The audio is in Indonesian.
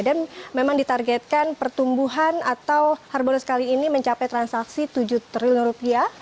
dan memang ditargetkan pertumbuhan atau harbolnas kali ini mencapai transaksi tujuh triliun rupiah